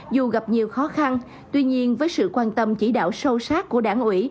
dù gặp nhiều khó khăn tuy nhiên với sự quan tâm chỉ đạo sâu sát của đảng ủy